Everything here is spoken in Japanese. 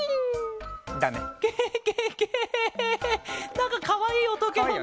なんかかわいいおとケロね。